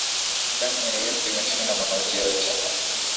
Damu ya yesu imeshinda mauti yote.